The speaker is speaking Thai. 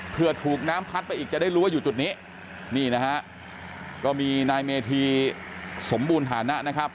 เพื่อถูกน้ำพัดไปอีกจะได้รู้ว่าอยู่จุดนี้นี่นะฮะก็มีนายเมธีสมบูรณฐานะนะครับ